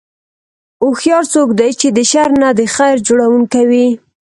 هوښیار څوک دی چې د شر نه د خیر جوړوونکی وي.